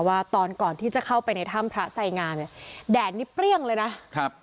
ว่าตอนก่อนที่จะเข้าไปในถ้ำพระไสงามเนี่ยแดดนี้เปรี้ยงเลยนะครับ